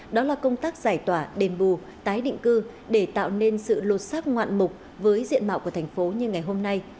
đó là công tác giải tỏa đền bù tái định cư để tạo nên sự lột xác ngoạn mục với diện mạo của thành phố như ngày hôm nay